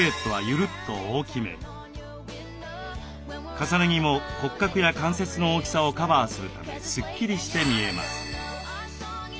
重ね着も骨格や関節の大きさをカバーするためスッキリして見えます。